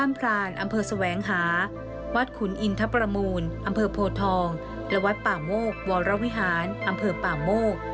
อำเภอโพทองและวัดป่าโมกวรรณวิหารอำเภอป่าโมก